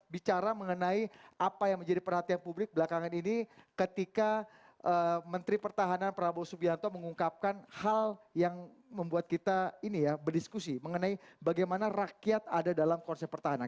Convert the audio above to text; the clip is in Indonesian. bicara mengenai apa yang menjadi perhatian publik belakangan ini ketika menteri pertahanan prabowo subianto mengungkapkan hal yang membuat kita ini ya berdiskusi mengenai bagaimana rakyat ada dalam konsep pertahanan